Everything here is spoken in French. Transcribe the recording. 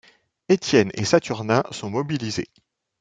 Étienne et Saturnin sont mobilisés.